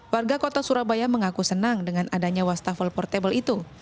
warga kota surabaya mengaku senang dengan adanya wastafel portable itu